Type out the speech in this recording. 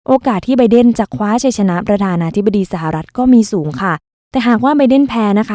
ที่ใบเดนจะคว้าชัยชนะประธานาธิบดีสหรัฐก็มีสูงค่ะแต่หากว่าใบเดนแพ้นะคะ